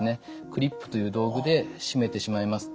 クリップという道具で締めてしまいます。